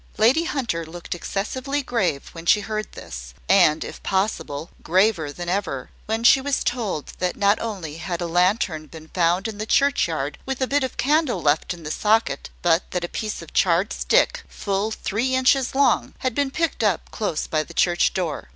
Lady Hunter looked excessively grave when she heard this; and, if possible, graver than ever, when she was told that not only had a lantern been found in the churchyard with a bit of candle left in the socket, but that a piece of charred stick, full three inches long, had been picked up close by the church door.